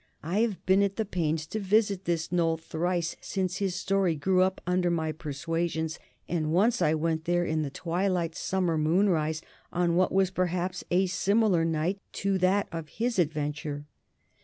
I have been at the pains to visit this Knoll thrice since his story grew up under my persuasions, and once I went there in the twilight summer moonrise on what was, perhaps, a similar night to that of his adventure.